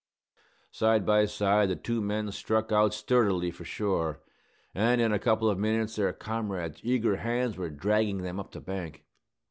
Side by side the two men struck out sturdily for shore, and in a couple of minutes their comrades' eager hands were dragging them up the bank.